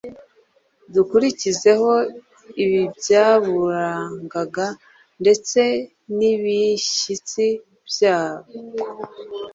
dukurikizeho ibyaburangaga ndetse nibishyitsi byabwo